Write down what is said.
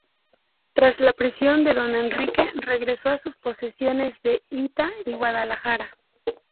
Tras la prisión de don Enrique, regresó a sus posesiones de Hita y Guadalajara.